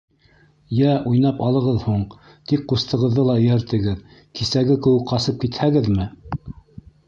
Йә, уйнап алығыҙ һуң, тик ҡустығыҙҙы ла эйәртегеҙ, кисәге кеүек ҡасып китһәгеҙме?!